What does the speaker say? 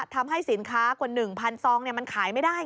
ทำให้สินค้ากว่า๑๐๐ซองมันขายไม่ได้